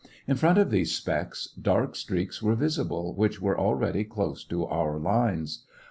In front of these specks, dark streaks were visible, which were already close to our lines.